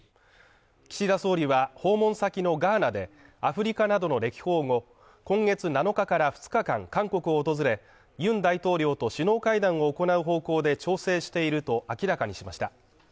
岸田総理は訪問先のガーナで、アフリカなどの歴訪後、今月７日から２日間韓国を訪れ、ユン大統領と首脳会談を行う方向で調整していると明らかにしました。